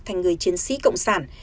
thành người chiến sĩ cộng sản